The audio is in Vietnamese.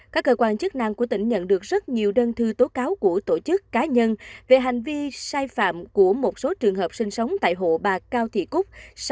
các cơ quan chức năng của tỉnh nhận được rất nhiều đơn thư tố cáo của tổ chức cá nhân về hành vi sai phạm của một số trường hợp sinh sống tại hộ bà cao thị cúc